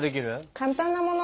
簡単なもの。